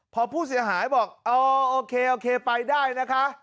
พอผู้เสียหายบอกโอเคไปได้นะคะ